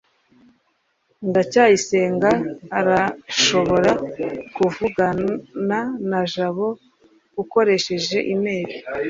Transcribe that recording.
ndacyayisenga arashobora kuvugana na jabo ukoresheje imeri